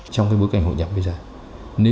trong cái bối cảnh hội nhập bây giờ